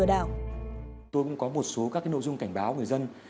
tôi cũng có một số các nội dung cảnh báo người dân